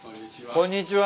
こんにちは。